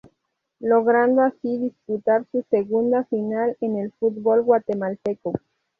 Logrando así disputar su segunda final en el fútbol guatemalteco.